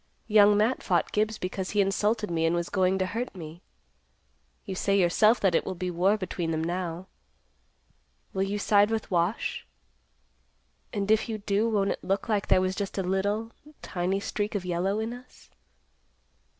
Young Matt fought Gibbs because he insulted me and was going to hurt me. You say yourself that it will be war between them now? Will you side with Wash? And if you do, won't it look like there was just a little, tiny streak of yellow in us?"